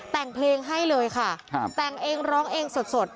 แต่งเพลงให้เลยค่ะแต่งเองร้องเองสด